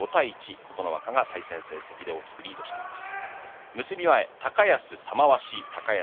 琴ノ若が対戦成績で大きくリードしています。